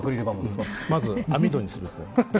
まず網戸にするとか。